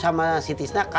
kamu prosis kan cuy